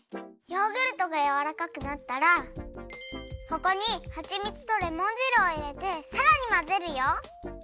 ヨーグルトがやわらかくなったらここにはちみつとレモン汁をいれてさらにまぜるよ。